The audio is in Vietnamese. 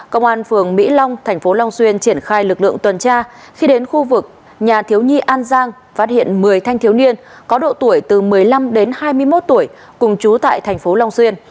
công an phường mỹ long thành phố long xuyên triển khai lực lượng tuần tra khi đến khu vực nhà thiếu nhi an giang phát hiện một mươi thanh thiếu niên có độ tuổi từ một mươi năm đến hai mươi một tuổi cùng chú tại thành phố long xuyên